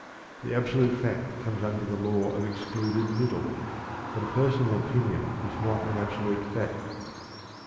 The absolute fact comes under the Law of Excluded Middle, but a personal opinion is not an absolute fact.